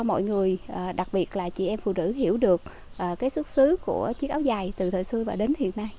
mọi người đặc biệt là chị em phụ nữ hiểu được cái xuất xứ của chiếc áo dài từ thời xưa và đến hiện nay